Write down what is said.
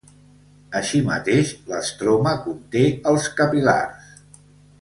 Així mateix l'estroma conté els capil·lars.